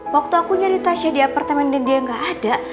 waktu aku nyari tasya di apartemen dan dia gak ada